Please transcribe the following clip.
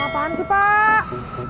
apaan sih pak